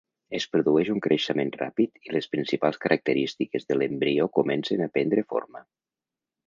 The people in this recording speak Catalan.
Es produeix un creixement ràpid i les principals característiques de l'embrió comencen a prendre forma.